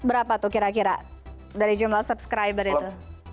berapa tuh kira kira dari jumlah subscriber itu